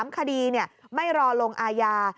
๓คดีเนี่ยไม่รอลงอายา